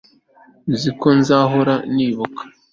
nzi ko nzahora nibuka